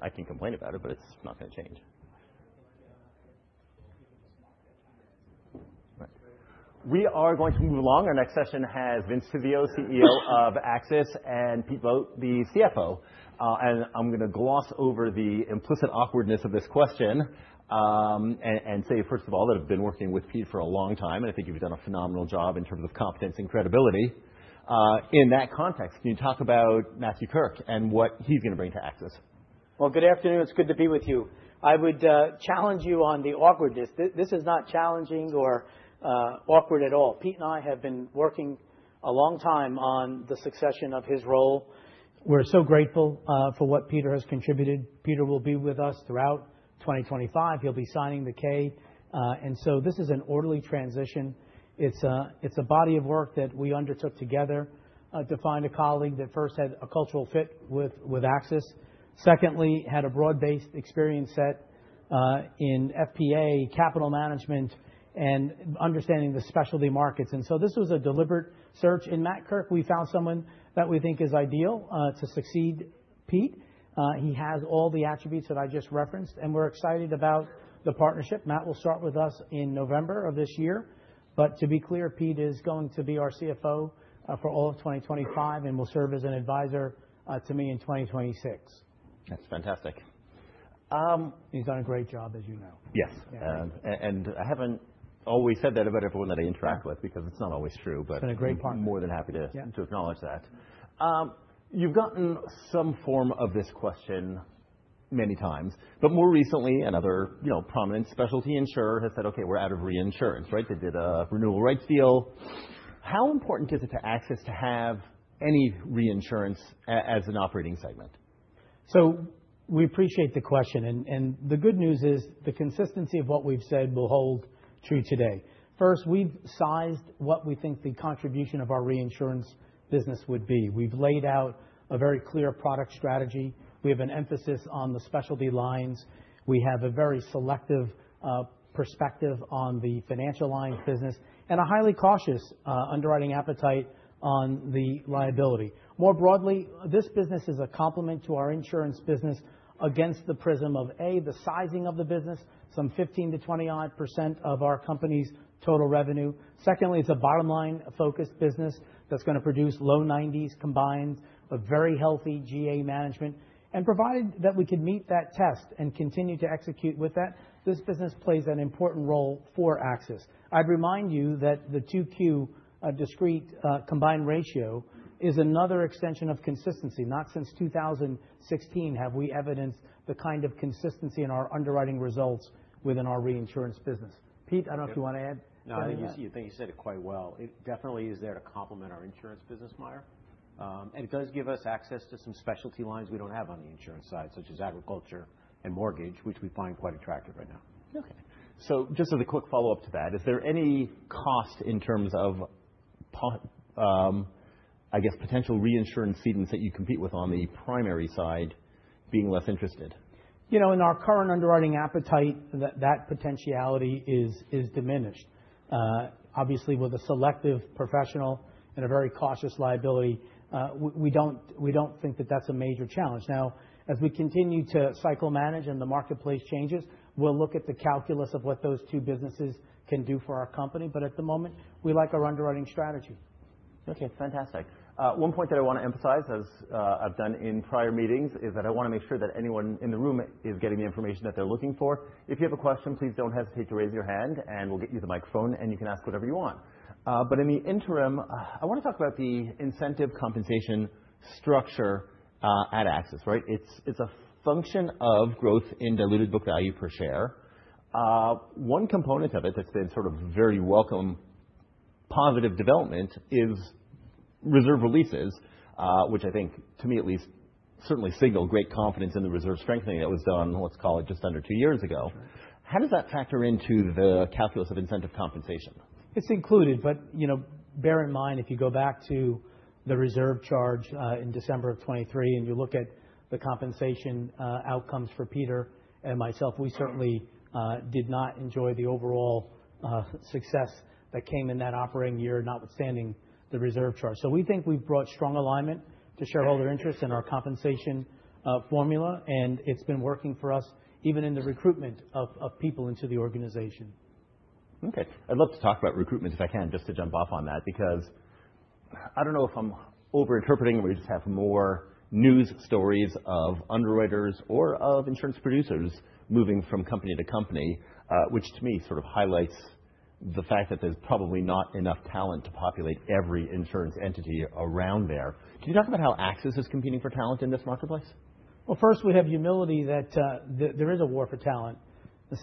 I mean, I can complain about it, but it's not going to change. Right. We are going to move along. Our next session has Vincent Tizzio, CEO of AXIS, and Peter Vogt, the CFO. And I'm going to gloss over the implicit awkwardness of this question and say, first of all, that I've been working with Peter for a long time, and I think you've done a phenomenal job in terms of competence and credibility. In that context, can you talk about Matthew Kirk and what he's going to bring to AXIS? Good afternoon. It's good to be with you. I would challenge you on the awkwardness. This is not challenging or awkward at all. Pete and I have been working a long time on the succession of his role. We're so grateful for what Peter has contributed. Peter will be with us throughout 2025. He'll be signing the K. So this is an orderly transition. It's a body of work that we undertook together to find a colleague that first had a cultural fit with AXIS. Secondly, had a broad-based experience set in FP&A, capital management, and understanding the specialty markets. So this was a deliberate search. In Matt Kirk, we found someone that we think is ideal to succeed Pete. He has all the attributes that I just referenced, and we're excited about the partnership. Matt will start with us in November of this year. But to be clear, Peter is going to be our CFO for all of 2025 and will serve as an advisor to me in 2026. That's fantastic. He's done a great job, as you know. Yes, and I haven't always said that about everyone that I interact with, because it's not always true. It's been a great partner. But I'm more than happy to acknowledge that. You've gotten some form of this question many times. But more recently, another prominent specialty insurer has said, okay, we're out of reinsurance. Right? They did a renewal rights deal. How important is it to AXIS to have any reinsurance as an operating segment? We appreciate the question. The good news is the consistency of what we've said will hold true today. First, we've sized what we think the contribution of our reinsurance business would be. We've laid out a very clear product strategy. We have an emphasis on the specialty lines. We have a very selective perspective on the financial lines business and a highly cautious underwriting appetite on the liability. More broadly, this business is a complement to our insurance business against the prism of, a, the sizing of the business, some 15%-25% of our company's total revenue. Secondly, it's a bottom-line-focused business that's going to produce low 90s combined, a very healthy G&A management. Provided that we could meet that test and continue to execute with that, this business plays an important role for AXIS. I'd remind you that the 2Q discrete combined ratio is another extension of consistency. Not since 2016 have we evidenced the kind of consistency in our underwriting results within our reinsurance business. Pete, I don't know if you want to add. No, I think you said it quite well. It definitely is there to complement our insurance business, Meyer. And it does give us access to some specialty lines we don't have on the insurance side, such as agriculture and mortgage, which we find quite attractive right now. Okay. So just as a quick follow-up to that, is there any cost in terms of, I guess, potential reinsurance cedings that you compete with on the primary side being less interested? You know, in our current underwriting appetite, that potentiality is diminished. Obviously, with a selective professional and a very cautious liability, we don't think that that's a major challenge. Now, as we continue to cycle manage and the marketplace changes, we'll look at the calculus of what those two businesses can do for our company. But at the moment, we like our underwriting strategy. Okay. Fantastic. One point that I want to emphasize, as I've done in prior meetings, is that I want to make sure that anyone in the room is getting the information that they're looking for. If you have a question, please don't hesitate to raise your hand, and we'll get you the microphone, and you can ask whatever you want. But in the interim, I want to talk about the incentive compensation structure at AXIS. Right? It's a function of growth in diluted book value per share. One component of it that's been sort of very welcome positive development is reserve releases, which I think, to me at least, certainly signal great confidence in the reserve strengthening that was done, let's call it, just under two years ago. How does that factor into the calculus of incentive compensation? It's included. But bear in mind, if you go back to the reserve charge in December of 2023 and you look at the compensation outcomes for Peter and myself, we certainly did not enjoy the overall success that came in that operating year, notwithstanding the reserve charge. So we think we've brought strong alignment to shareholder interests in our compensation formula, and it's been working for us even in the recruitment of people into the organization. Okay. I'd love to talk about recruitment, if I can, just to jump off on that, because I don't know if I'm over-interpreting or we just have more news stories of underwriters or of insurance producers moving from company to company, which to me sort of highlights the fact that there's probably not enough talent to populate every insurance entity around there. Can you talk about how AXIS is competing for talent in this marketplace? First, we have humility that there is a war for talent.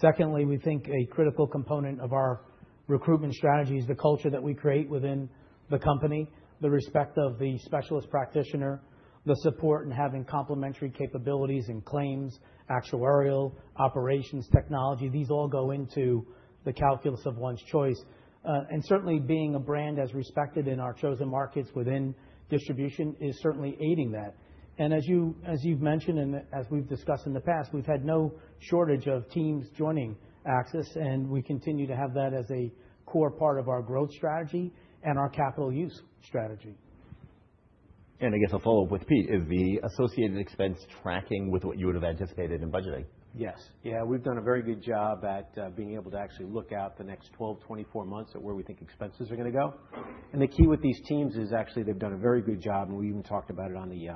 Secondly, we think a critical component of our recruitment strategy is the culture that we create within the company, the respect of the specialist practitioner, the support in having complementary capabilities and claims, actuarial, operations, technology. These all go into the calculus of one's choice. And certainly, being a brand as respected in our chosen markets within distribution is certainly aiding that. And as you've mentioned and as we've discussed in the past, we've had no shortage of teams joining AXIS, and we continue to have that as a core part of our growth strategy and our capital use strategy. I guess a follow-up with Pete is the associated expense tracking with what you would have anticipated in budgeting. Yes. Yeah, we've done a very good job at being able to actually look out the next 12, 24 months at where we think expenses are going to go. And the key with these teams is actually they've done a very good job, and we even talked about it on the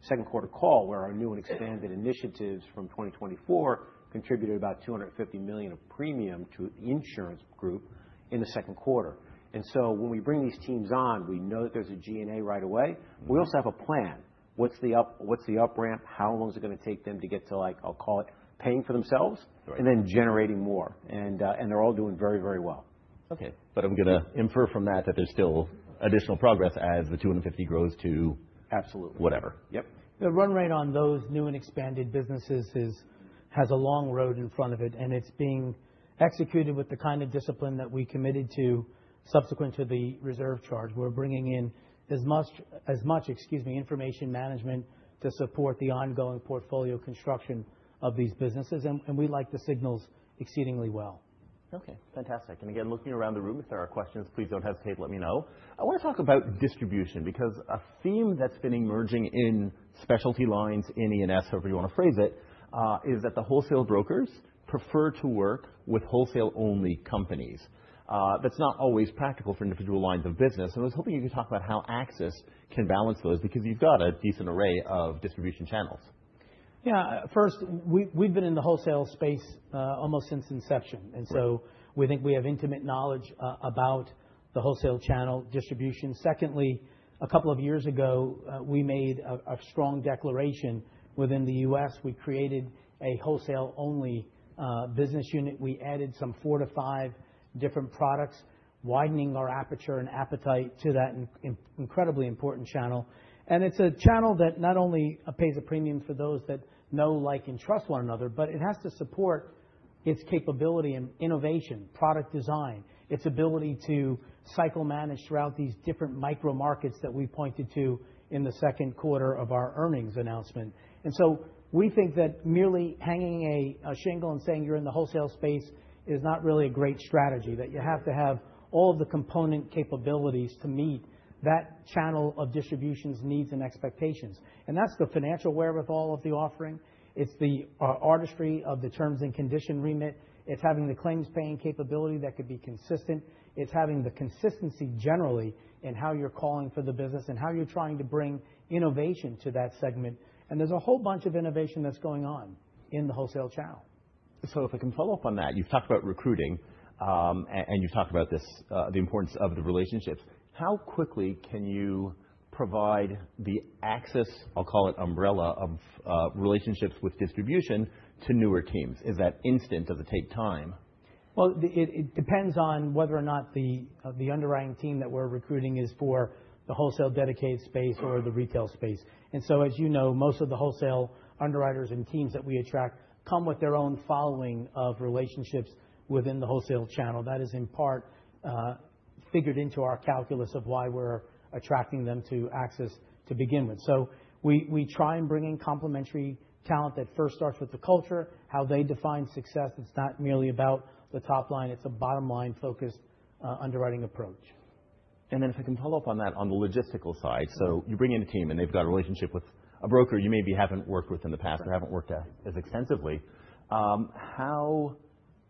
second quarter call, where our new and expanded initiatives from 2024 contributed about $250 million of premium to the insurance group in the second quarter. And so when we bring these teams on, we know that there's a G&A right away. We also have a plan. What's the upramp? How long is it going to take them to get to, like, I'll call it paying for themselves and then generating more? And they're all doing very, very well. Okay. But I'm going to infer from that that there's still additional progress as the $250 grows to. Absolutely. Whatever. Yep. The run rate on those new and expanded businesses has a long road in front of it, and it's being executed with the kind of discipline that we committed to subsequent to the reserve charge. We're bringing in as much, excuse me, information management to support the ongoing portfolio construction of these businesses, and we like the signals exceedingly well. Okay. Fantastic. And again, looking around the room if there are questions, please don't hesitate to let me know. I want to talk about distribution because a theme that's been emerging in specialty lines, in E&S, however you want to phrase it, is that the wholesale brokers prefer to work with wholesale-only companies. That's not always practical for individual lines of business. And I was hoping you could talk about how AXIS can balance those because you've got a decent array of distribution channels. Yeah. First, we've been in the wholesale space almost since inception, and so we think we have intimate knowledge about the wholesale channel distribution. Secondly, a couple of years ago, we made a strong declaration within the U.S. We created a wholesale-only business unit. We added some four to five different products, widening our aperture and appetite to that incredibly important channel. And it's a channel that not only pays a premium for those that know, like, and trust one another, but it has to support its capability and innovation, product design, its ability to cycle manage throughout these different micro-markets that we pointed to in the second quarter of our earnings announcement. And so we think that merely hanging a shingle and saying you're in the wholesale space is not really a great strategy, that you have to have all of the component capabilities to meet that channel of distribution's needs and expectations. And that's the financial wherewithal of the offering. It's the artistry of the terms and conditions remit. It's having the claims-paying capability that could be consistent. It's having the consistency generally in how you're calling for the business and how you're trying to bring innovation to that segment. And there's a whole bunch of innovation that's going on in the wholesale channel. So if I can follow up on that, you've talked about recruiting, and you've talked about the importance of the relationships. How quickly can you provide the AXIS, I'll call it umbrella, of relationships with distribution to newer teams? Is that instant? Does it take time? It depends on whether or not the underwriting team that we're recruiting is for the wholesale dedicated space or the retail space. As you know, most of the wholesale underwriters and teams that we attract come with their own following of relationships within the wholesale channel. That is in part figured into our calculus of why we're attracting them to AXIS to begin with. We try and bring in complementary talent that first starts with the culture, how they define success. It's not merely about the top line. It's a bottom-line-focused underwriting approach. And then if I can follow up on that, on the logistical side, so you bring in a team, and they've got a relationship with a broker you maybe haven't worked with in the past or haven't worked as extensively. How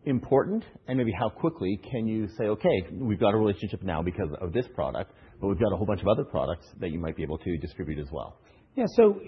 important and maybe how quickly can you say, "Okay, we've got a relationship now because of this product, but we've got a whole bunch of other products that you might be able to distribute as well"? Yeah. So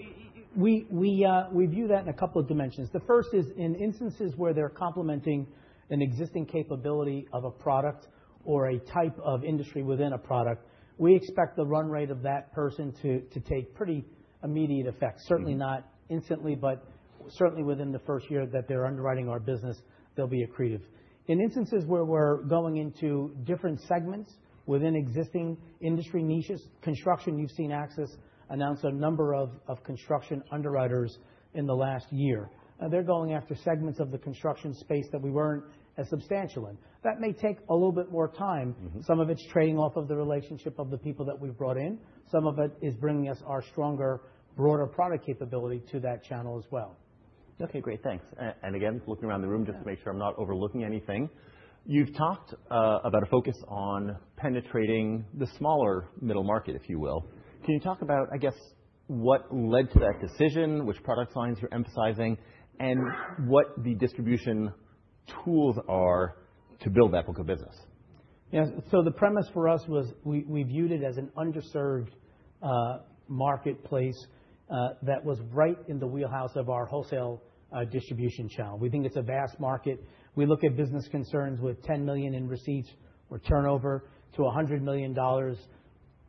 we view that in a couple of dimensions. The first is in instances where they're complementing an existing capability of a product or a type of industry within a product, we expect the run rate of that person to take pretty immediate effect. Certainly not instantly, but certainly within the first year that they're underwriting our business, they'll be accretive. In instances where we're going into different segments within existing industry niches, construction, you've seen AXIS announce a number of construction underwriters in the last year. They're going after segments of the construction space that we weren't as substantial in. That may take a little bit more time. Some of it's trading off of the relationship of the people that we've brought in. Some of it is bringing us our stronger, broader product capability to that channel as well. Okay. Great. Thanks. And again, looking around the room just to make sure I'm not overlooking anything. You've talked about a focus on penetrating the smaller middle market, if you will. Can you talk about, I guess, what led to that decision, which product lines you're emphasizing, and what the distribution tools are to build that book of business? Yeah. So the premise for us was we viewed it as an underserved marketplace that was right in the wheelhouse of our wholesale distribution channel. We think it's a vast market. We look at business concerns with $10 million in receipts or turnover to $100 million.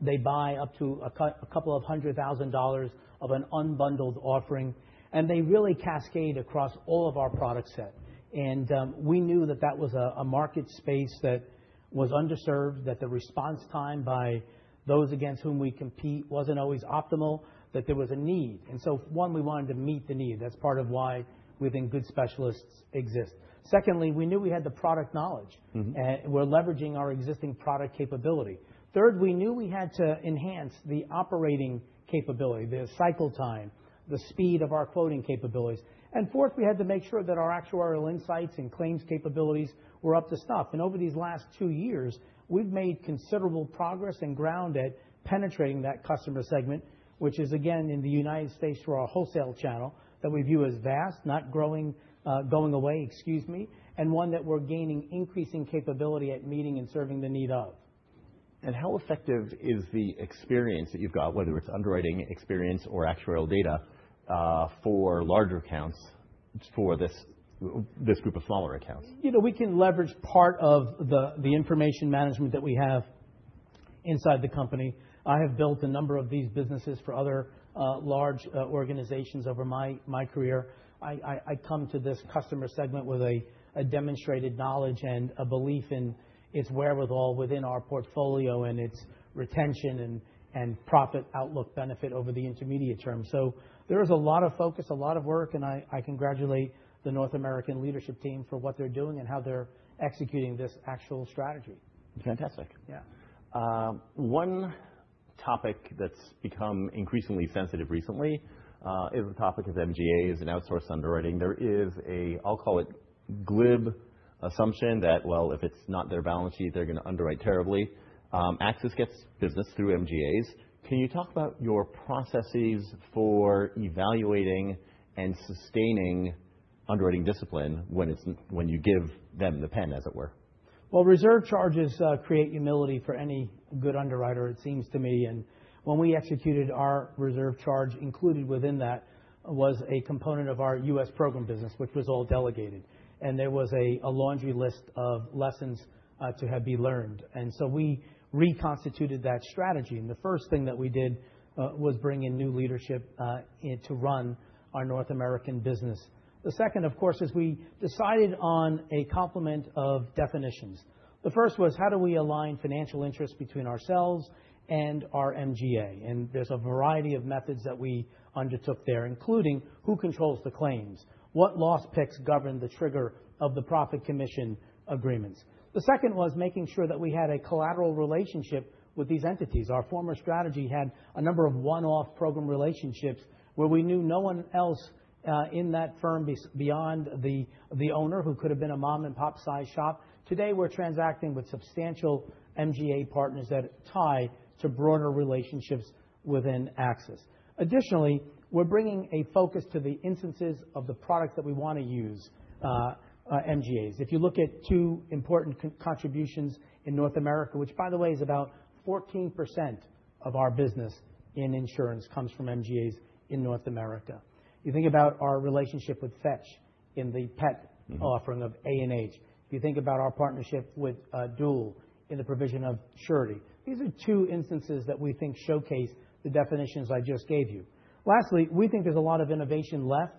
They buy up to $200,000 of an unbundled offering, and they really cascade across all of our product set. And we knew that that was a market space that was underserved, that the response time by those against whom we compete wasn't always optimal, that there was a need. And so one, we wanted to meet the need. That's part of why we think good specialists exist. Secondly, we knew we had the product knowledge, and we're leveraging our existing product capability. Third, we knew we had to enhance the operating capability, the cycle time, the speed of our quoting capabilities. Fourth, we had to make sure that our actuarial insights and claims capabilities were up to snuff. Over these last two years, we've made considerable progress on the ground at penetrating that customer segment, which is, again, in the United States for our wholesale channel that we view as vast, growing, not going away, excuse me, and one that we're gaining increasing capability at meeting and serving the need of. How effective is the experience that you've got, whether it's underwriting experience or actuarial data, for larger accounts for this group of smaller accounts? You know, we can leverage part of the information management that we have inside the company. I have built a number of these businesses for other large organizations over my career. I come to this customer segment with a demonstrated knowledge and a belief in its wherewithal within our portfolio and its retention and profit outlook benefit over the intermediate term. So there is a lot of focus, a lot of work, and I congratulate the North American leadership team for what they're doing and how they're executing this actual strategy. Fantastic. Yeah. One topic that's become increasingly sensitive recently is the topic of MGAs and outsourced underwriting. There is a, I'll call it glib assumption that, well, if it's not their balance sheet, they're going to underwrite terribly. AXIS gets business through MGAs. Can you talk about your processes for evaluating and sustaining underwriting discipline when you give them the pen, as it were? Reserve charges create humility for any good underwriter, it seems to me, and when we executed, our reserve charge included within that was a component of our U.S. program business, which was all delegated, and there was a laundry list of lessons to have been learned, and so we reconstituted that strategy, the first thing that we did was bring in new leadership to run our North American business, the second, of course, is we decided on a complement of definitions, the first was how do we align financial interests between ourselves and our MGA, and there's a variety of methods that we undertook there, including who controls the claims, what loss picks govern the trigger of the profit commission agreements, the second was making sure that we had a collateral relationship with these entities. Our former strategy had a number of one-off program relationships where we knew no one else in that firm beyond the owner who could have been a mom-and-pop-sized shop. Today, we're transacting with substantial MGA partners that tie to broader relationships within AXIS. Additionally, we're bringing a focus to the instances of the products that we want to use MGAs. If you look at two important contributions in North America, which, by the way, is about 14% of our business in insurance comes from MGAs in North America. You think about our relationship with Fetch in the pet offering of A&H. You think about our partnership with DUAL in the provision of surety. These are two instances that we think showcase the definitions I just gave you. Lastly, we think there's a lot of innovation left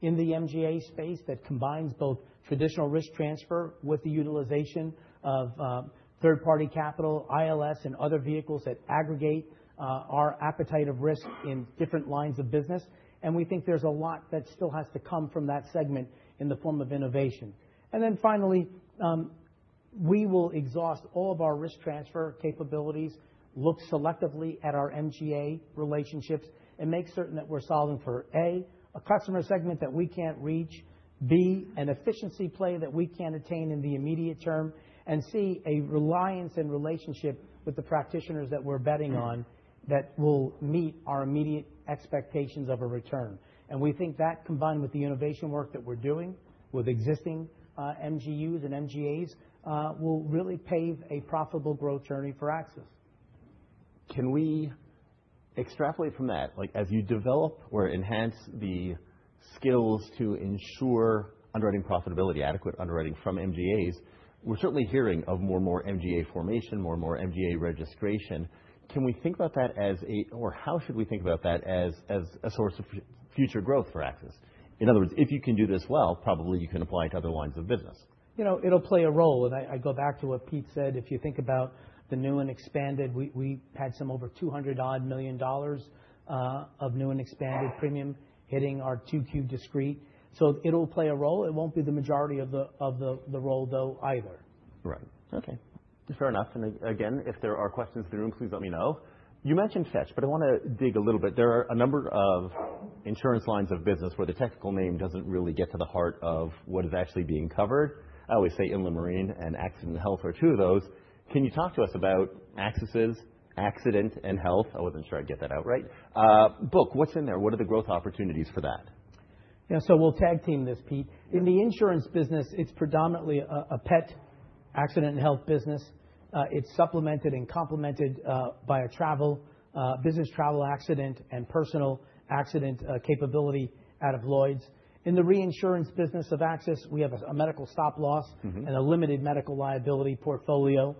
in the MGA space that combines both traditional risk transfer with the utilization of third-party capital, ILS, and other vehicles that aggregate our appetite of risk in different lines of business. And we think there's a lot that still has to come from that segment in the form of innovation. And then finally, we will exhaust all of our risk transfer capabilities, look selectively at our MGA relationships, and make certain that we're solving for, A, a customer segment that we can't reach, B, an efficiency play that we can't attain in the immediate term, and C, a reliance and relationship with the practitioners that we're betting on that will meet our immediate expectations of a return. We think that combined with the innovation work that we're doing with existing MGUs and MGAs will really pave a profitable growth journey for AXIS. Can we extrapolate from that? Like, as you develop or enhance the skills to ensure underwriting profitability, adequate underwriting from MGAs, we're certainly hearing of more and more MGA formation, more and more MGA registration. Can we think about that as a, or how should we think about that as a source of future growth for AXIS? In other words, if you can do this well, probably you can apply it to other lines of business. You know, it'll play a role, and I go back to what Pete said. If you think about the new and expanded, we had some over $200 million of new and expanded premium hitting our 2Q discrete, so it'll play a role. It won't be the majority of the role, though, either. Right. Okay. Fair enough. And again, if there are questions in the room, please let me know. You mentioned Fetch, but I want to dig a little bit. There are a number of insurance lines of business where the technical name doesn't really get to the heart of what is actually being covered. I always say Inland Marine and Accident and Health are two of those. Can you talk to us about AXIS's Accident and Health? I wasn't sure I'd get that out right. Book, what's in there? What are the growth opportunities for that? Yeah. So we'll tag team this, Pete. In the insurance business, it's predominantly a pet Accident and Health business. It's supplemented and complemented by a travel business, travel accident, and personal accident capability out of Lloyd's. In the reinsurance business of AXIS, we have a medical stop loss and a limited medical liability portfolio.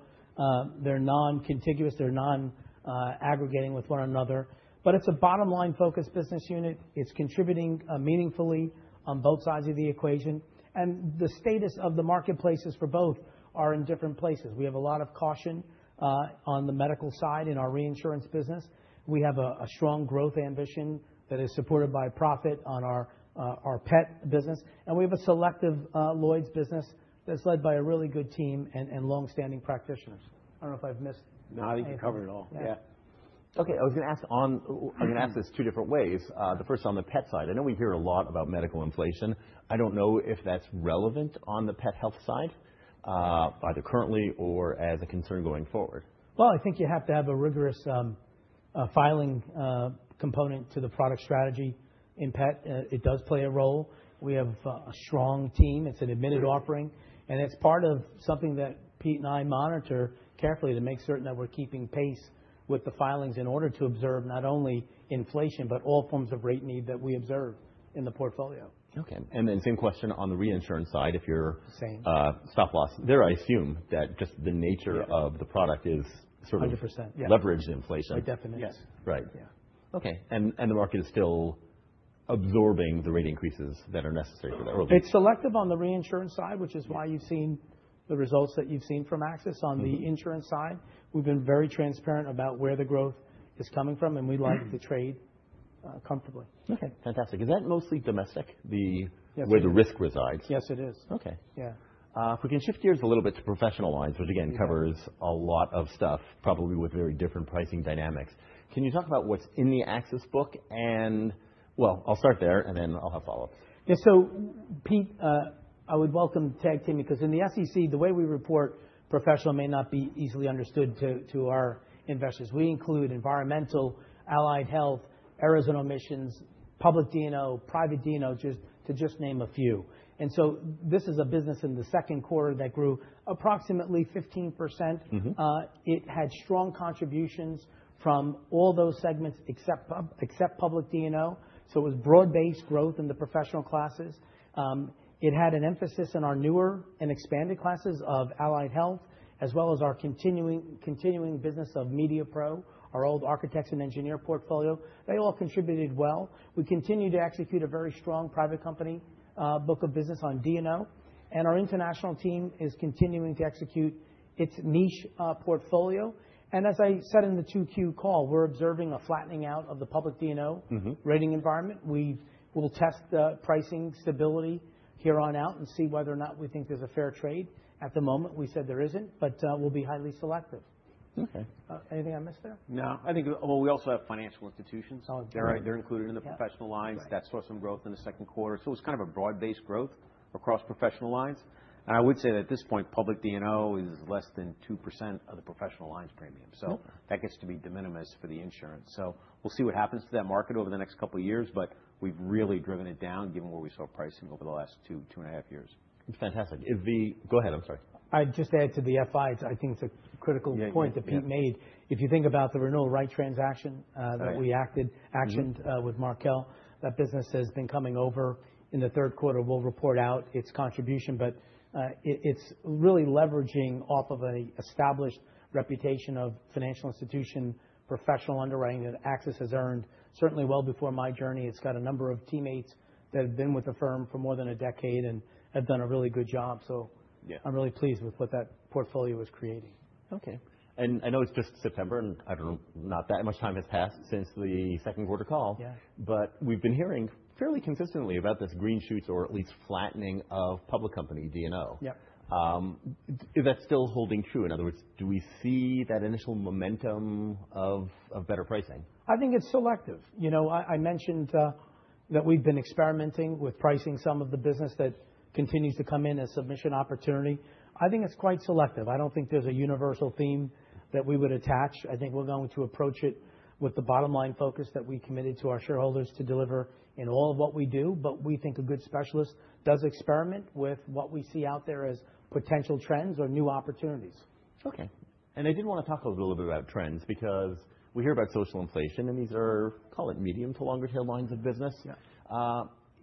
They're non-contiguous. They're non-aggregating with one another. But it's a bottom-line-focused business unit. It's contributing meaningfully on both sides of the equation. And the status of the marketplaces for both are in different places. We have a lot of caution on the medical side in our reinsurance business. We have a strong growth ambition that is supported by profit on our pet business. And we have a selective Lloyd's business that's led by a really good team and long-standing practitioners. I don't know if I've missed. No, I think you covered it all. Yeah. Okay. I was going to ask on, I was going to ask this two different ways. The first on the pet side. I know we hear a lot about medical inflation. I don't know if that's relevant on the pet health side, either currently or as a concern going forward. I think you have to have a rigorous filing component to the product strategy in pet. It does play a role. We have a strong team. It's an admitted offering. And it's part of something that Pete and I monitor carefully to make certain that we're keeping pace with the filings in order to observe not only inflation, but all forms of rate need that we observe in the portfolio. Okay, and then same question on the reinsurance side, if you're. Same. Stop loss. There, I assume that just the nature of the product is sort of. 100%, yeah. Leveraged inflation. For definite. Yes. Right. Yeah. Okay, and the market is still absorbing the rate increases that are necessary for the early. It's selective on the reinsurance side, which is why you've seen the results that you've seen from AXIS on the insurance side. We've been very transparent about where the growth is coming from, and we like to trade comfortably. Okay. Fantastic. Is that mostly domestic, where the risk resides? Yes, it is. Okay. Yeah. If we can shift gears a little bit to professional lines, which again covers a lot of stuff, probably with very different pricing dynamics. Can you talk about what's in the AXIS book? And well, I'll start there, and then I'll have follow-ups. Yeah. So Pete, I would welcome tag team because in the SEC, the way we report professional may not be easily understood to our investors. We include environmental, allied health, errors and omissions, public D&O, private D&O, to just name a few. And so this is a business in the second quarter that grew approximately 15%. It had strong contributions from all those segments except public D&O. So it was broad-based growth in the professional classes. It had an emphasis in our newer and expanded classes of allied health, as well as our continuing business of MediaPro, our old architects and engineers portfolio. They all contributed well. We continue to execute a very strong private company book of business on D&O. And our international team is continuing to execute its niche portfolio. And as I said in the 2Q call, we're observing a flattening out of the public D&O rating environment. We will test the pricing stability here on out and see whether or not we think there's a fair trade. At the moment, we said there isn't, but we'll be highly selective. Okay. Anything I missed there? No. I think, well, we also have financial institutions. Oh, good. They're included in the professional lines. That saw some growth in the second quarter. So it was kind of a broad-based growth across professional lines. And I would say that at this point, public D&O is less than 2% of the professional lines premium. So that gets to be de minimis for the insurance. So we'll see what happens to that market over the next couple of years, but we've really driven it down given where we saw pricing over the last two and a half years. Fantastic. Go ahead. I'm sorry. I'd just add to the FIs. I think it's a critical point that Pete made. If you think about the Renewal Rights transaction that we announced with Markel. That business has been coming over in the third quarter. We'll report out its contribution, but it's really leveraging off of an established reputation of financial institution, professional underwriting that AXIS has earned certainly well before my journey. It's got a number of teammates that have been with the firm for more than a decade and have done a really good job. So I'm really pleased with what that portfolio is creating. Okay. I know it's just September, and I don't know, not that much time has passed since the second quarter call. Yeah. But we've been hearing fairly consistently about this green shoots or at least flattening of public company D&O. Yep. Is that still holding true? In other words, do we see that initial momentum of better pricing? I think it's selective. You know, I mentioned that we've been experimenting with pricing some of the business that continues to come in as submission opportunity. I think it's quite selective. I don't think there's a universal theme that we would attach. I think we're going to approach it with the bottom-line focus that we committed to our shareholders to deliver in all of what we do. But we think a good specialist does experiment with what we see out there as potential trends or new opportunities. Okay, and I did want to talk a little bit about trends because we hear about social inflation, and these are, call it medium to longer-tail lines of business. Yeah.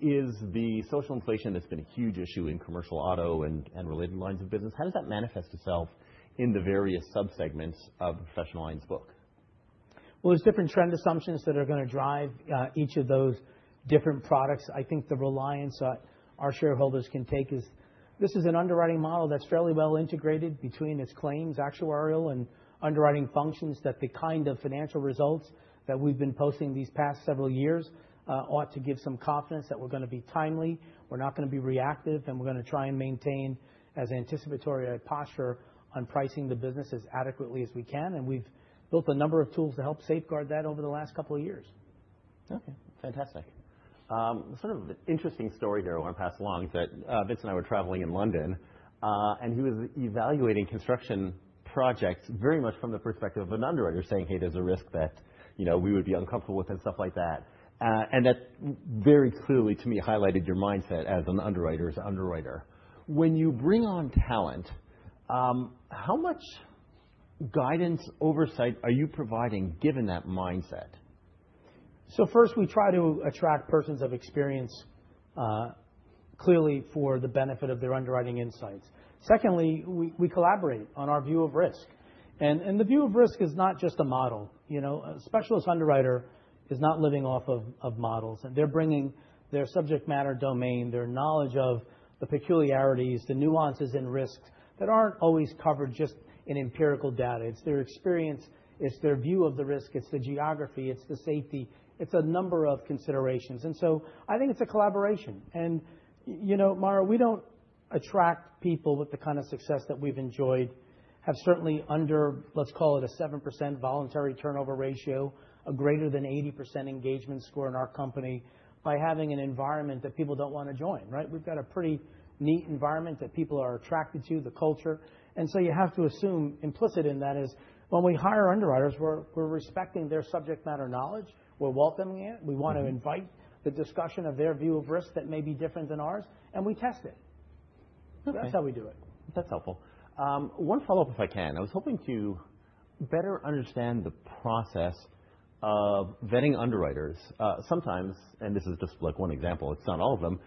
Is the social inflation that's been a huge issue in commercial auto and related lines of business, how does that manifest itself in the various subsegments of the professional lines book? There's different trend assumptions that are going to drive each of those different products. I think the reliance our shareholders can take is this is an underwriting model that's fairly well integrated between its claims, actuarial, and underwriting functions that the kind of financial results that we've been posting these past several years ought to give some confidence that we're going to be timely. We're not going to be reactive, and we're going to try and maintain as anticipatory a posture on pricing the business as adequately as we can. And we've built a number of tools to help safeguard that over the last couple of years. Okay. Fantastic. Sort of an interesting story here I want to pass along is that Vincent and I were traveling in London, and he was evaluating construction projects very much from the perspective of an underwriter, saying, hey, there's a risk that we would be uncomfortable with, and stuff like that. And that very clearly, to me, highlighted your mindset as an underwriter's underwriter. When you bring on talent, how much guidance oversight are you providing given that mindset? So first, we try to attract persons of experience clearly for the benefit of their underwriting insights. Secondly, we collaborate on our view of risk. And the view of risk is not just a model. A specialist underwriter is not living off of models. And they're bringing their subject matter domain, their knowledge of the peculiarities, the nuances in risks that aren't always covered just in empirical data. It's their experience. It's their view of the risk. It's the geography. It's the safety. It's a number of considerations. And so I think it's a collaboration. And, you know, Meyer, we don't attract people with the kind of success that we've enjoyed, have certainly under, let's call it a 7% voluntary turnover ratio, a greater than 80% engagement score in our company by having an environment that people don't want to join, right? We've got a pretty neat environment that people are attracted to, the culture, and so you have to assume implicit in that is when we hire underwriters, we're respecting their subject matter knowledge. We're welcoming it. We want to invite the discussion of their view of risk that may be different than ours, and we test it. That's how we do it. That's helpful. One follow-up, if I can. I was hoping to better understand the process of vetting underwriters. Sometimes, and this is just like one example, it's not all of them,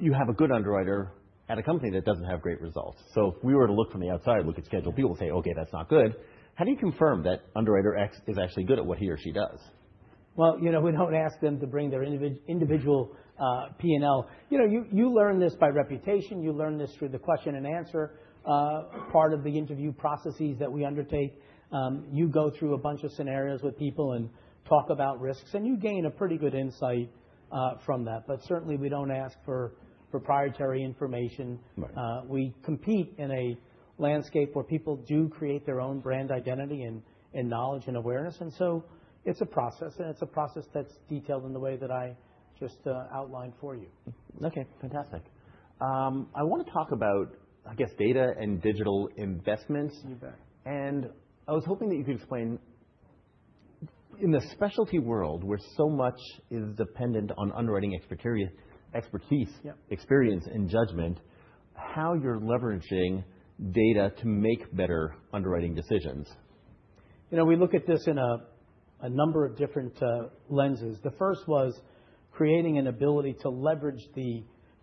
you have a good underwriter at a company that doesn't have great results. So if we were to look from the outside, look at scheduled people, say, "Okay, that's not good." How do you confirm that underwriter X is actually good at what he or she does? You know, we don't ask them to bring their individual P&L. You learn this by reputation. You learn this through the question and answer part of the interview processes that we undertake. You go through a bunch of scenarios with people and talk about risks, and you gain a pretty good insight from that. But certainly, we don't ask for proprietary information. We compete in a landscape where people do create their own brand identity and knowledge and awareness. And so it's a process, and it's a process that's detailed in the way that I just outlined for you. Okay. Fantastic. I want to talk about, I guess, data and digital investments. You bet. I was hoping that you could explain in the specialty world where so much is dependent on underwriting expertise, experience, and judgment, how you're leveraging data to make better underwriting decisions? You know, we look at this in a number of different lenses. The first was creating an ability to leverage the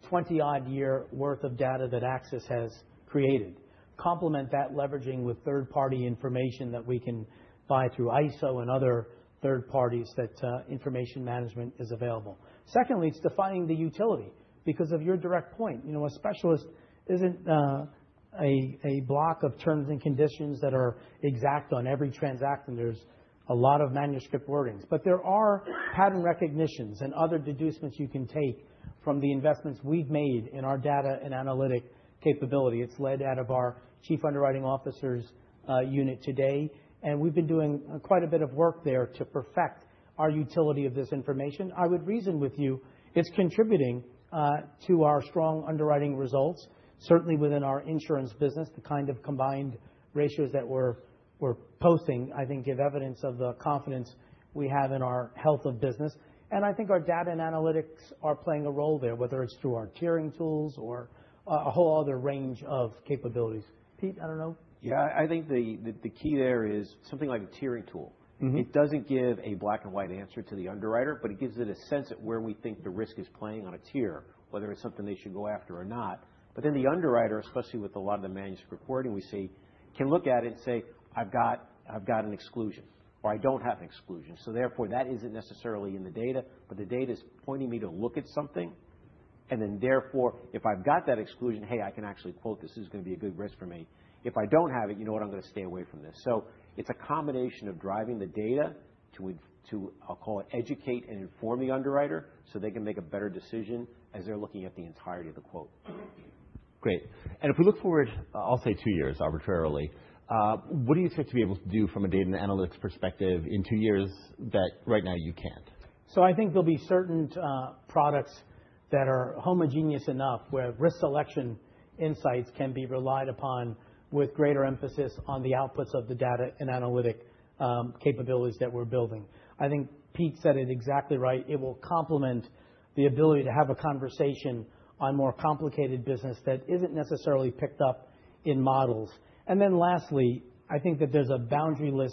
20-odd years' worth of data that AXIS has created, complement that leveraging with third-party information that we can buy through ISO and other third parties that information management is available. Secondly, it's defining the utility because of your direct point. You know, a specialist isn't a block of terms and conditions that are exact on every transaction. And there's a lot of manuscript wordings. But there are pattern recognitions and other deductions you can take from the investments we've made in our data and analytic capability. It's led out of our Chief Underwriting Officer's unit today. And we've been doing quite a bit of work there to perfect our utility of this information. I would reason with you it's contributing to our strong underwriting results, certainly within our insurance business. The kind of combined ratios that we're posting, I think, give evidence of the confidence we have in our health of business. And I think our data and analytics are playing a role there, whether it's through our tiering tools or a whole other range of capabilities. Pete, I don't know. Yeah. I think the key there is something like a tiering tool. It doesn't give a black-and-white answer to the underwriter, but it gives it a sense of where we think the risk is playing on a tier, whether it's something they should go after or not. But then the underwriter, especially with a lot of the manuscript wording we see, can look at it and say, I've got an exclusion, or, I don't have an exclusion. So therefore, that isn't necessarily in the data, but the data is pointing me to look at something. And then therefore, if I've got that exclusion, hey, I can actually quote this as going to be a good risk for me. If I don't have it, you know what? I'm going to stay away from this. So it's a combination of driving the data to, I'll call it, educate and inform the underwriter so they can make a better decision as they're looking at the entirety of the quote. Great. And if we look forward, I'll say two years arbitrarily, what do you expect to be able to do from a data and analytics perspective in two years that right now you can't? So I think there'll be certain products that are homogeneous enough where risk selection insights can be relied upon with greater emphasis on the outputs of the data and analytic capabilities that we're building. I think Pete said it exactly right. It will complement the ability to have a conversation on more complicated business that isn't necessarily picked up in models. And then lastly, I think that there's a boundless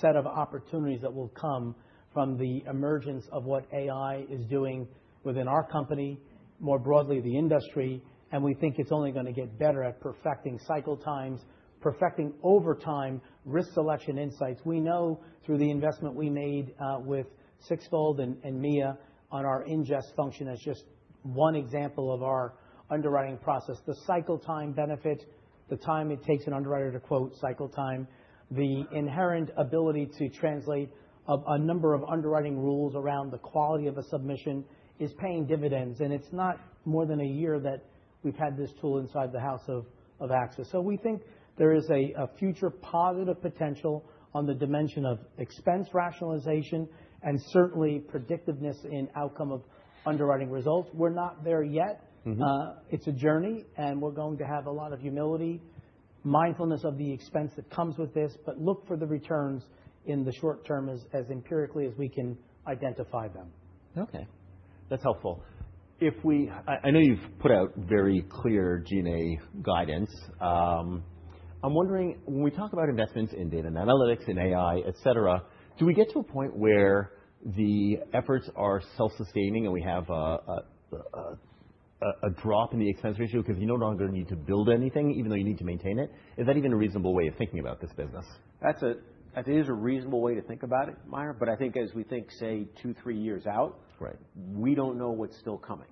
set of opportunities that will come from the emergence of what AI is doing within our company, more broadly the industry. And we think it's only going to get better at perfecting cycle times, perfecting over time risk selection insights. We know through the investment we made with Sixfold and Mea on our ingest function as just one example of our underwriting process, the cycle time benefit, the time it takes an underwriter to quote cycle time, the inherent ability to translate a number of underwriting rules around the quality of a submission is paying dividends. And it's not more than a year that we've had this tool inside the house of AXIS. So we think there is a future positive potential on the dimension of expense rationalization and certainly predictiveness in outcome of underwriting results. We're not there yet. It's a journey, and we're going to have a lot of humility, mindfulness of the expense that comes with this, but look for the returns in the short term as empirically as we can identify them. Okay. That's helpful. I know you've put out very clear G&A guidance. I'm wondering, when we talk about investments in data and analytics and AI, et cetera, do we get to a point where the efforts are self-sustaining and we have a drop in the expense ratio because you no longer need to build anything, even though you need to maintain it? Is that even a reasonable way of thinking about this business? That is a reasonable way to think about it, Meyer. But I think as we think, say, two, three years out, we don't know what's still coming,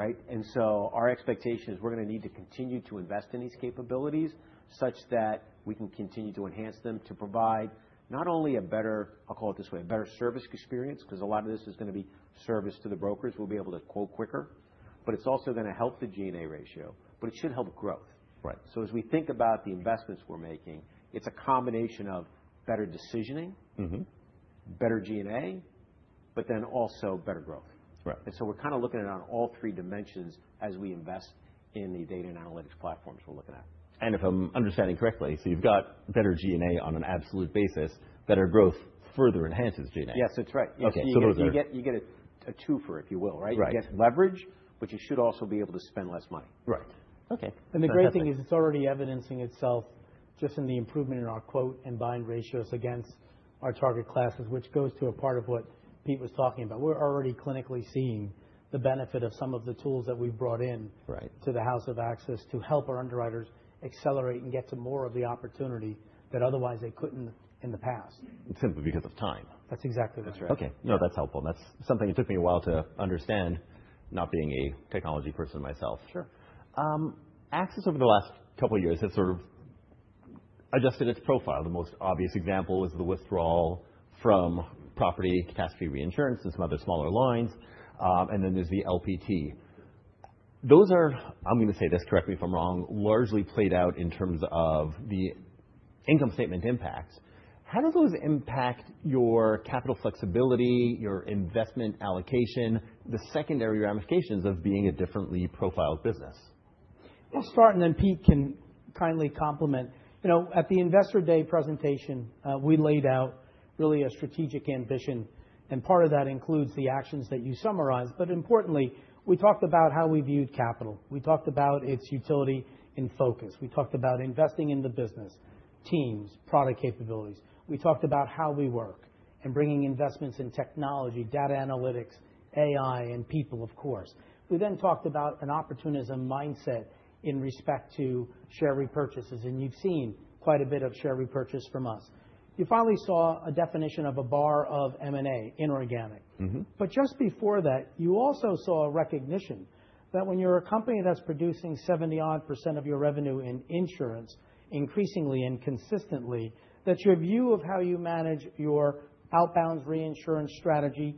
right? And so our expectation is we're going to need to continue to invest in these capabilities such that we can continue to enhance them to provide not only a better, I'll call it this way, a better service experience because a lot of this is going to be service to the brokers. We'll be able to quote quicker, but it's also going to help the G&A ratio, but it should help growth. So as we think about the investments we're making, it's a combination of better decisioning, better G&A, but then also better growth. And so we're kind of looking at it on all three dimensions as we invest in the data and analytics platforms we're looking at. If I'm understanding correctly, so you've got better G&A on an absolute basis. Better growth further enhances G&A. Yes, that's right. Okay. So those are. You get a two for it, if you will, right? You get leverage, but you should also be able to spend less money. Right. Okay. The great thing is it's already evidencing itself just in the improvement in our quote and bind ratios against our target classes, which goes to a part of what Pete was talking about. We're already clinically seeing the benefit of some of the tools that we've brought in to the house of AXIS to help our underwriters accelerate and get to more of the opportunity that otherwise they couldn't in the past. Simply because of time. That's exactly right. Okay. No, that's helpful, and that's something it took me a while to understand, not being a technology person myself. Sure. AXIS over the last couple of years has sort of adjusted its profile. The most obvious example is the withdrawal from property catastrophe reinsurance and some other smaller lines. And then there's the LPT. Those are, I'm going to say this correctly if I'm wrong, largely played out in terms of the income statement impacts. How do those impact your capital flexibility, your investment allocation, the secondary ramifications of being a differently profiled business? I'll start, and then Pete can kindly comment. You know, at the Investor Day presentation, we laid out really a strategic ambition, and part of that includes the actions that you summarized. But importantly, we talked about how we viewed capital. We talked about its utility in focus. We talked about investing in the business, teams, product capabilities. We talked about how we work and bringing investments in technology, data analytics, AI, and people, of course. We then talked about an opportunism mindset in respect to share repurchases. And you've seen quite a bit of share repurchase from us. You finally saw a definition of a bar for M&A inorganic. But just before that, you also saw a recognition that when you're a company that's producing 70%-odd of your revenue in insurance, increasingly and consistently, that your view of how you manage your outward reinsurance strategy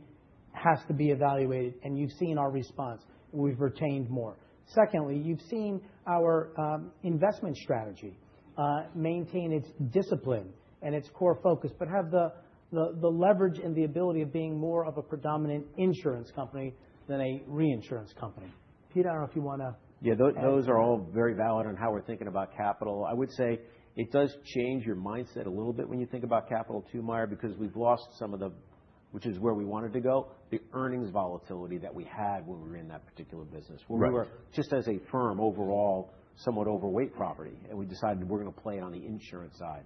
has to be evaluated. And you've seen our response. We've retained more. Secondly, you've seen our investment strategy maintain its discipline and its core focus, but have the leverage and the ability of being more of a predominant insurance company than a reinsurance company. Peter, I don't know if you want to. Yeah. Those are all very valid on how we're thinking about capital. I would say it does change your mindset a little bit when you think about capital too, Meyer, because we've lost some of the, which is where we wanted to go, the earnings volatility that we had when we were in that particular business. We were just as a firm overall somewhat overweight property, and we decided we're going to play it on the insurance side.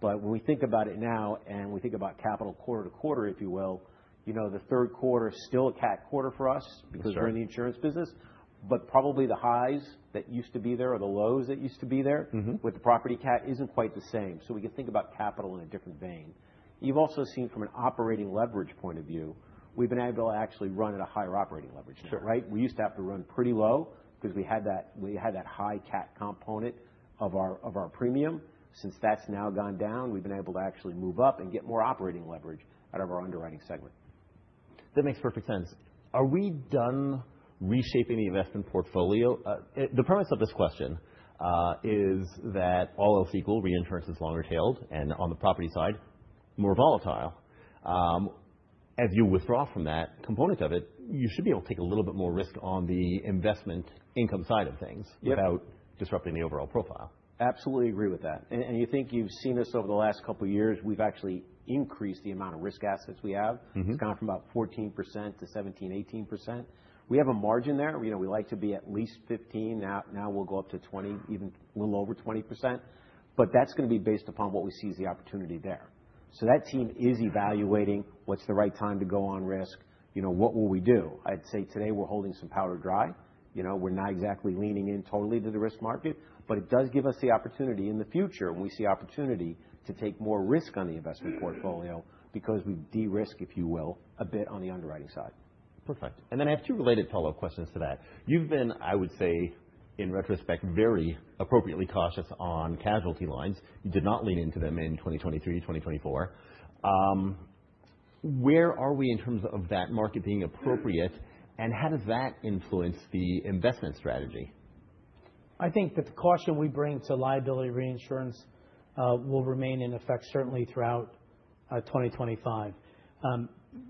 But when we think about it now and we think about capital quarter-to-quarter, if you will, you know, the third quarter is still a cat quarter for us because we're in the insurance business. But probably the highs that used to be there or the lows that used to be there with the property cat isn't quite the same. So we can think about capital in a different vein. You've also seen from an operating leverage point of view, we've been able to actually run at a higher operating leverage now, right? We used to have to run pretty low because we had that high cat component of our premium. Since that's now gone down, we've been able to actually move up and get more operating leverage out of our underwriting segment. That makes perfect sense. Are we done reshaping the investment portfolio? The premise of this question is that all else equal, reinsurance is longer tailed and on the property side, more volatile. As you withdraw from that component of it, you should be able to take a little bit more risk on the investment income side of things without disrupting the overall profile. Absolutely agree with that. And you think you've seen this over the last couple of years. We've actually increased the amount of risk assets we have. It's gone from about 14% to 17%-18%. We have a margin there. You know, we like to be at least 15%. Now we'll go up to 20%, even a little over 20%. But that's going to be based upon what we see as the opportunity there. So that team is evaluating what's the right time to go on risk? You know, what will we do? I'd say today we're holding some powder dry. You know, we're not exactly leaning in totally to the risk market, but it does give us the opportunity in the future when we see opportunity to take more risk on the investment portfolio because we de-risk, if you will, a bit on the underwriting side. Perfect. And then I have two related follow-up questions to that. You've been, I would say in retrospect, very appropriately cautious on casualty lines. You did not lean into them in 2023, 2024. Where are we in terms of that market being appropriate, and how does that influence the investment strategy? I think that the caution we bring to liability reinsurance will remain in effect certainly throughout 2025.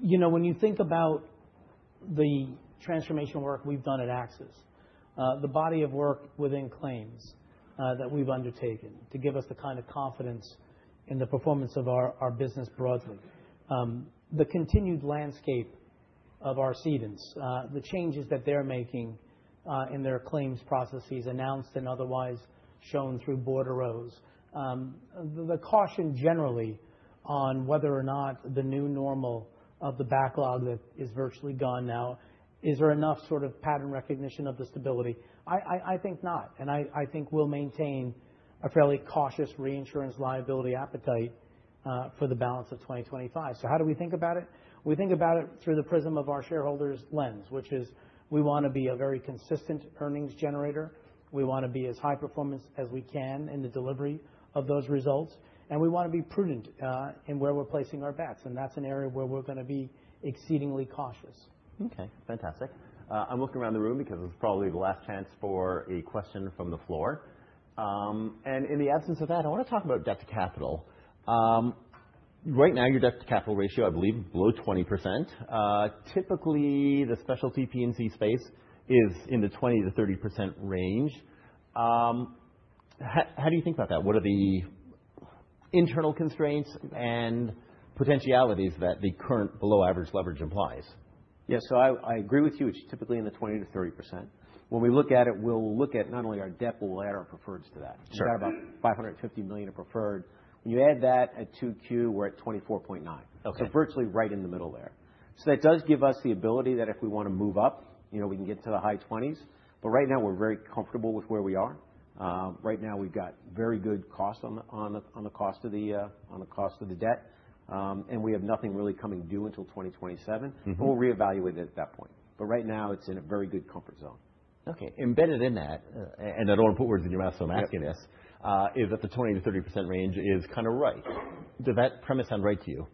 You know, when you think about the transformation work we've done at AXIS, the body of work within claims that we've undertaken to give us the kind of confidence in the performance of our business broadly, the continued landscape of our cedants, the changes that they're making in their claims processes announced and otherwise shown through bordereaux, the caution generally on whether or not the new normal of the backlog that is virtually gone now is there enough sort of pattern recognition of the stability? I think not, and I think we'll maintain a fairly cautious reinsurance liability appetite for the balance of 2025, so how do we think about it? We think about it through the prism of our shareholders' lens, which is we want to be a very consistent earnings generator. We want to be as high performance as we can in the delivery of those results. And we want to be prudent in where we're placing our bets. And that's an area where we're going to be exceedingly cautious. Okay. Fantastic. I'm looking around the room because this is probably the last chance for a question from the floor. And in the absence of that, I want to talk about debt-to-capital. Right now, your debt-to-capital ratio, I believe, is below 20%. Typically, the specialty P&C space is in the 20%-30% range. How do you think about that? What are the internal constraints and potentialities that the current below average leverage implies? Yeah. So I agree with you. It's typically in the 20%-30%. When we look at it, we'll look at not only our debt, but we'll add our preferreds to that. We've got about $550 million of preferred. When you add that at 2Q, we're at 24.9%. So virtually right in the middle there. So that does give us the ability that if we want to move up, you know, we can get to the high 20%s. But right now, we're very comfortable with where we are. Right now, we've got very good cost on the cost of the debt. And we have nothing really coming due until 2027. But we'll reevaluate it at that point. But right now, it's in a very good comfort zone. Okay. Embedded in that, and I don't want to put words in your mouth, so I'm asking this, is that the 20%-30% range kind of right? Does that premise sound right to you?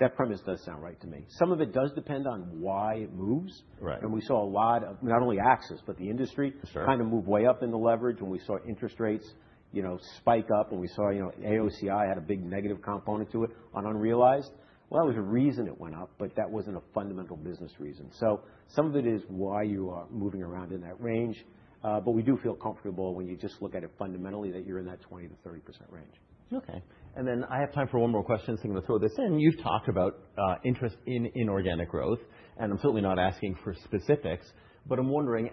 That premise does sound right to me. Some of it does depend on why it moves. And we saw a lot of not only AXIS, but the industry kind of move way up in the leverage when we saw interest rates, you know, spike up. And we saw, you know, AOCI had a big negative component to it on unrealized. Well, that was a reason it went up, but that wasn't a fundamental business reason. So some of it is why you are moving around in that range. But we do feel comfortable when you just look at it fundamentally that you're in that 20%-30% range. Okay, and then I have time for one more question, so I'm going to throw this in. You've talked about interest in inorganic growth, and I'm certainly not asking for specifics, but I'm wondering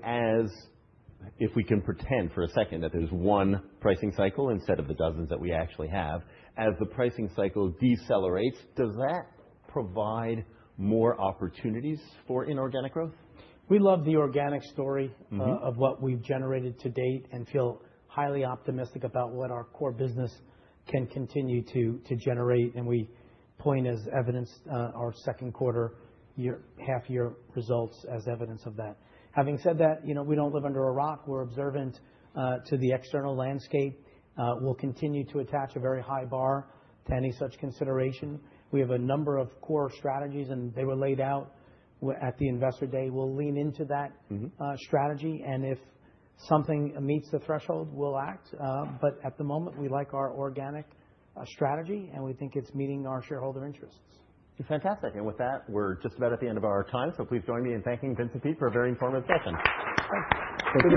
if we can pretend for a second that there's one pricing cycle instead of the dozens that we actually have. As the pricing cycle decelerates, does that provide more opportunities for inorganic growth? We love the organic story of what we've generated to date and feel highly optimistic about what our core business can continue to generate. And we point as evidence our second quarter half-year results as evidence of that. Having said that, you know, we don't live under a rock. We're observant to the external landscape. We'll continue to attach a very high bar to any such consideration. We have a number of core strategies, and they were laid out at the Investor Day. We'll lean into that strategy. And if something meets the threshold, we'll act. But at the moment, we like our organic strategy, and we think it's meeting our shareholder interests. Fantastic. And with that, we're just about at the end of our time. So please join me in thanking Vince and Pete for a very informative session. Thank you.